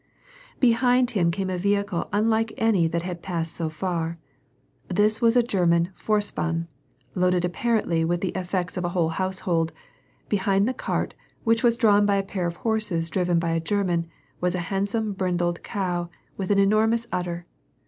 ' Behind him came a vehicle unlike any that had passed so far. This was a German Vorspann, loiuled apparently with the effeots of a whole household; behind the cart, which was drawn by a pair of horses driven by a German, was a handsome brindled cow, with an enormous udder.